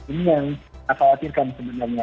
ini yang kita khawatirkan sebenarnya